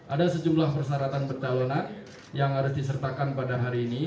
ada sejumlah persyaratan pencalonan yang harus disertakan pada hari ini